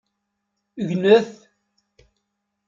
Gnet!